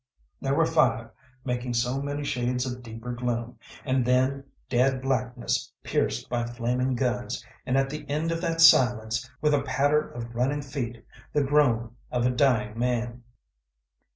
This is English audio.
There were five, making so many shades of deeper gloom, and then dead blackness pierced by flaming guns, and at the end of that silence, with a patter of running feet, the groan of a dying man.